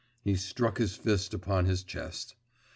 (He struck his fist upon his chest.)